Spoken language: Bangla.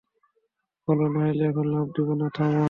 বল নাহলে এখনই লাফ দিব-- না থামো!